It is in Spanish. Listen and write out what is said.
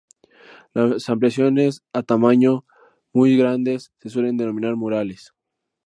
Las ampliaciones a tamaños muy grandes se suelen denominar murales.